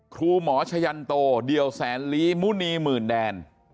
ครูหมอชะยันโตเดี่ยวแสนลีมุณีหมื่นแดน